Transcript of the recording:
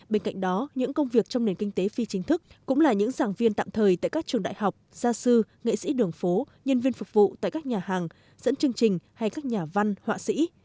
bên cạnh đó những công việc trong nền kinh tế phi chính thức cũng là những giảng viên tạm thời tại các trường đại học gia sư nghệ sĩ đường phố nhân viên phục vụ tại các nhà hàng dẫn chương trình hay các nhà văn họa sĩ